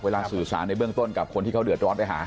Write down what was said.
สื่อสารในเบื้องต้นกับคนที่เขาเดือดร้อนไปหา